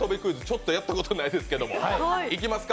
ちょっとやってことないですけど、いきますか。